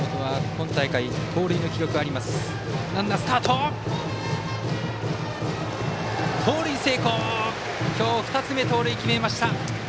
今日、２つ目の盗塁を決めました。